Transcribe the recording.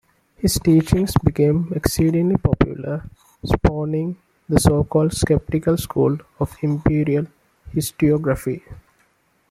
His teachings became exceedingly popular, spawning the so-called sceptical school of imperial historiography.